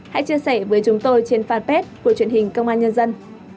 hãy chia sẻ với chúng tôi trên fanpage của truyền hình công an nhân dân